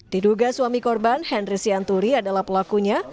diduga suami korban henry sianturi adalah pelakunya